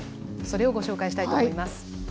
それをご紹介したいと思います。